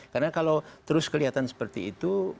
karena kalau terus kelihatan seperti itu